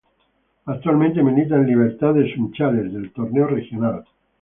Actualmente milita en Libertad de Sunchales del Torneo Regional.